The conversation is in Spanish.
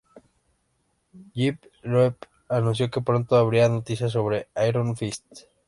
Jeph Loeb anunció que pronto habría noticias sobre "Iron Fist".